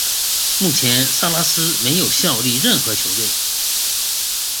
目前萨拉斯没有效力任何球队。